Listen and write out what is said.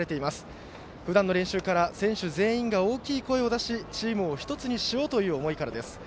ふだんの練習から選手たちが大声を出しチームを１つにしようという思いからです。